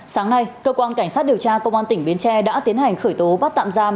sáng nay cơ quan cảnh sát điều tra công an tỉnh bến tre đã tiến hành khởi tố bắt tạm giam